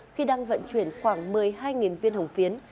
khi đang vận chuyển khoảng một mươi hai viên hồng phiến